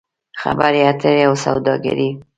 خبرې اترې او سوداګري